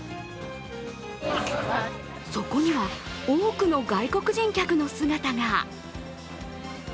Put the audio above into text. そこには多くの外国人客の姿が。